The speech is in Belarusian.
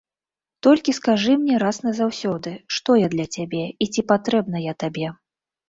Толькі скажы мне раз назаўсёды, што я для цябе і ці патрэбна я табе.